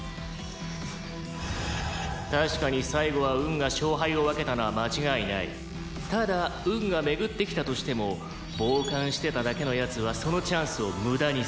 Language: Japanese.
「確かに最後は運が勝敗を分けたのは間違いない」「ただ運が巡ってきたとしても傍観してただけの奴はそのチャンスを無駄にする」